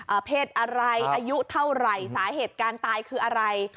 เพศอะไรอายุเท่าไหร่สาเหตุการณ์ตายคืออะไร